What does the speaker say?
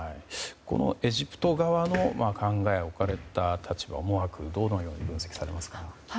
エジプト側の考え置かれた立場思惑、どのように分析されますか。